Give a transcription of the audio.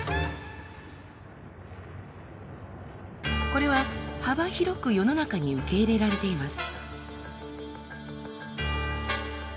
これは幅広く世の中に受け入れられています。